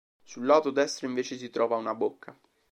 Sul lato destro invece si trova una bocca.